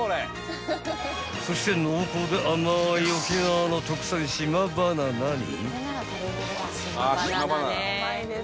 ［そして濃厚で甘い沖縄の特産島バナナに］